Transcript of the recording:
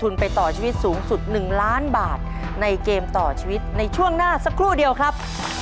ในเกมต่อชีวิตในช่วงหน้าสักครู่เดียวครับ